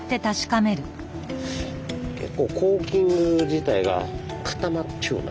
結構コーキング自体が固まっちょるな